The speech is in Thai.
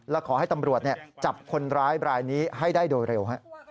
และขอให้ตำรวจจับคนร้ายบรายนี้ให้ได้โดยเร็ว